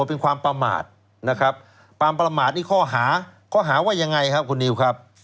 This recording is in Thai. เป็นความประมาทนะครับความประมาทนี่ข้อหาข้อหาว่ายังไงครับคุณนิวครับ